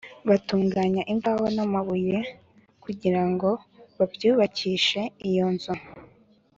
batunganya imbaho n’amabuye kugira ngo babyubakishe iyo nzu